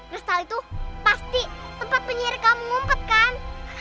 kristal itu pasti tempat penyihir kamu ngumpet kan